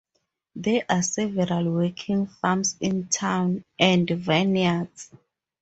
There are several working farms in town and vineyards.